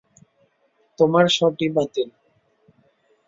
তোমার সর্টি বাতিল।